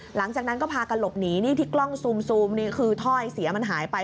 หลังจากนั้นก็พากันหลบหนีนี่ที่กล้องซูมนี่คือถ้อยเสียมันหายไป